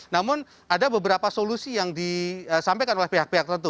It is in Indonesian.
namun ada beberapa solusi yang disampaikan oleh pihak pihak tertentu